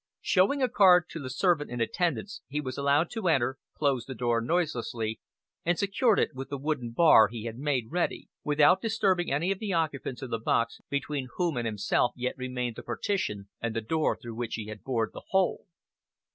Showing a card to the servant in attendance, he was allowed to enter, closed the door noiselessly, and secured it with the wooden bar he had made ready, without disturbing any of the occupants of the box, between whom and himself yet remained the partition and the door through which he had bored the hole.